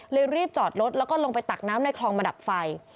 รีบจอดรถแล้วก็ลงไปตักน้ำในคลองมาดับไฟ